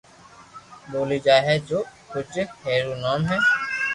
ٻولي جائي ھي جو ڪوجھ ھير رو نوم ھي